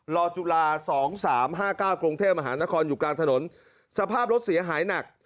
จุฬาสองสามห้าเก้ากรุงเทพมหานครอยู่กลางถนนสภาพรถเสียหายหนัก